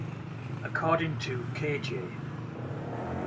According to K. J.